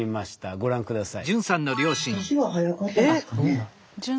ご覧下さい。